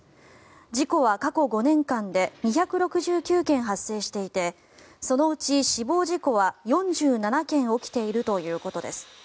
事故は過去５年間で２６９件発生していてそのうち死亡事故は４７件起きているということです。